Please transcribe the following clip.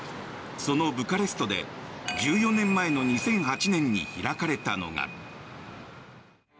そのブカレストで１４年前の２００８年に開かれたのが。